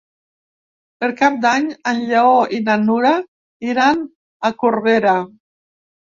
Per Cap d'Any en Lleó i na Nura iran a Corbera.